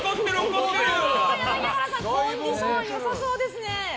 柳原さんコンディション良さそうですね。